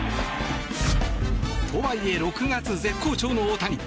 とはいえ、６月絶好調の大谷。